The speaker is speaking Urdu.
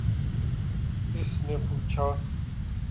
اس نے پوچھا